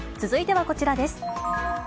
続いてはこちらです。